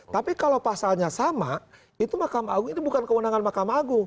tapi kalau pasalnya sama itu makamanggung itu bukan kewenangan makamanggung